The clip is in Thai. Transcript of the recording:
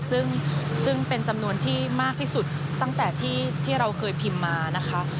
ซึ่งเป็นจำนวนที่มากที่สุดตั้งแต่ที่เราเคยพิมพ์มานะคะ